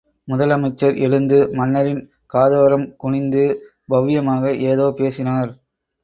முதல் அமைச்சர் எழுந்து மன்னரின் காதோரம் குனிந்து பவ்யமாக ஏதோ பேசினார்.